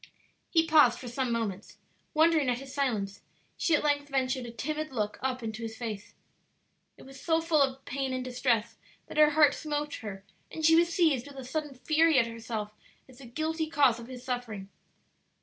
He paused for some moments. Wondering at his silence, she at length ventured a timid look up into his face. It was so full of pain and distress that her heart smote her, and she was seized with a sudden fury at herself as the guilty cause of his suffering.